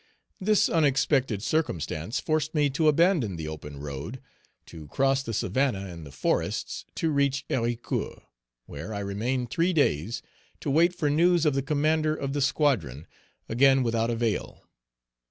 This unexpected circumstance forced me to abandon the open road, to cross the savanna and the forests to reach Héricourt, where I remained three days to wait for news of the commander of the squadron, again without avail.